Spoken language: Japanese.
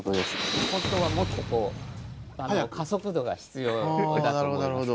ホントはもっとこう加速度が必要だと思います。